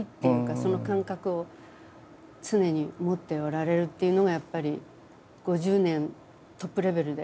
その感覚を常に持っておられるっていうのがやっぱり５０年トップレベルで。